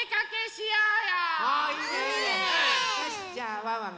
よしじゃあワンワン